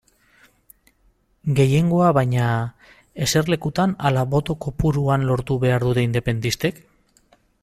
Gehiengoa baina, eserlekutan ala boto kopuruan lortu behar dute independentistek?